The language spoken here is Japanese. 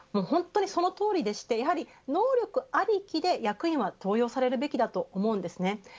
本当にそのとおりでしてやはり能力ありきで役員は登用されるべきだと思うんですね。